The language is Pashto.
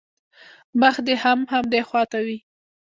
مخ دې هم همدې خوا ته وي.